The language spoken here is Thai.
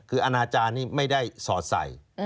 คืออนาจารย์นี่ไม่ได้สอดใส่